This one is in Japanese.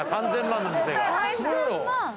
３０００万の店が。